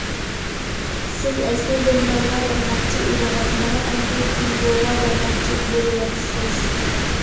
سىز ئەسلى بومبايغا بارماقچى ئىدىڭىز، مانا ئەمدى جۇڭگوغا بارماقچى بولۇۋاتىسىز.